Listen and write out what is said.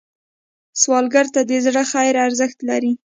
سوالګر ته د زړه خیر ارزښت لري